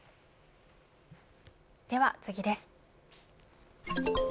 では次です。